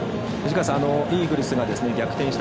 イーグルスが逆転した